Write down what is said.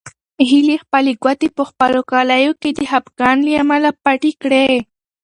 هیلې خپلې ګوتې په خپلو کالیو کې د خپګان له امله پټې کړې.